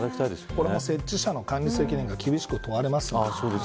これは設置者の管理責任が厳しく問われます。